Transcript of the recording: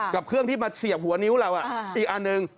กับเครื่องที่มาเฉียบหัวนิ้วเราอีกอันหนึ่ง